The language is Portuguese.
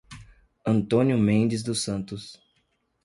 Antônio Mendes dos Santos